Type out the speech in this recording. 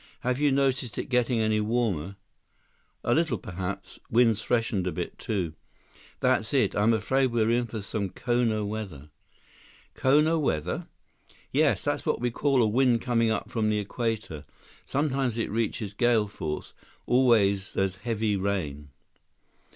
"Have you noticed it getting any warmer?" "A little, perhaps. Wind's freshened a bit, too." 111 "That's it. I'm afraid we're in for some Kona weather." "Kona weather?" "Yes, that's what we call a wind coming up from the Equator. Sometimes it reaches gale force. Always there's heavy rain."